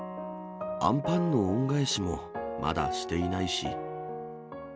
あんパンの恩返しもまだしていないし。